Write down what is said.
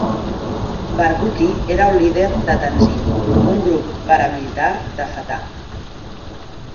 Barghouti era un líder de Tanzim, un grup paramilitar de Fatah.